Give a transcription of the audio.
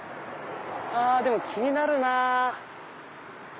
でも気になるなぁ。